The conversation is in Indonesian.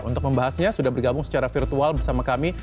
untuk membahasnya sudah bergabung secara virtual bersama kami